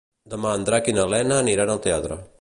Demà en Drac i na Lena aniran al teatre.